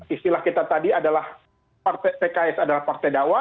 istilah kita tadi adalah pks adalah partai dakwah